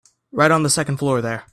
Right on the second floor there.